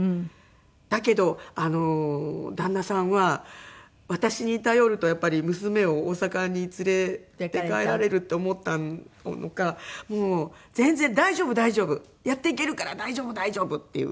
だけど旦那さんは私に頼るとやっぱり娘を大阪に連れて帰られるって思ったのか「全然大丈夫大丈夫」「やっていけるから大丈夫大丈夫」っていう。